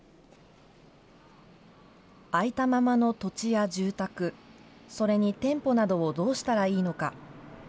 空いたままの土地や住宅、それに店舗などをどうしたらいいのか。